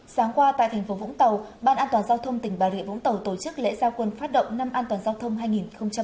sáng qua tại thành phố vũng tàu ban an toàn giao thông tỉnh bà rịa vũng tàu tổ chức lễ giao quân phát động năm an toàn giao thông hai nghìn hai mươi